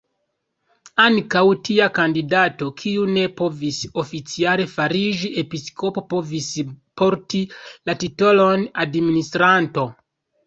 Ankaŭ tia kandidato, kiu ne povis oficiale fariĝi episkopo, povis porti la titolon "administranto".